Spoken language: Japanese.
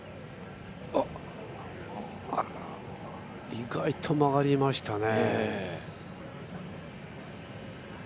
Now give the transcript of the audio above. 意外と曲がりましたね。